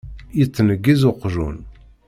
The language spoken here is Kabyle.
Yettneggiz uqjun.